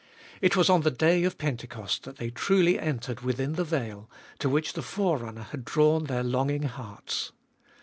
It was on the day of Pentecost that they truly entered within the veil, to which the Forerunner had drawn their longing hearts.